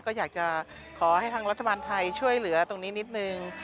ก็อยากจะขอให้ทางรัฐบาลไทยช่วยเหลือตรงนี้นิดนึง